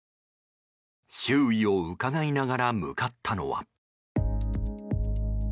周囲をうかがいながら向かったのは。